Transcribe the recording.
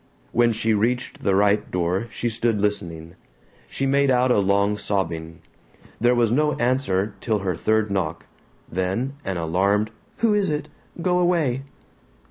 When she reached the right door she stood listening. She made out a long sobbing. There was no answer till her third knock; then an alarmed "Who is it? Go away!"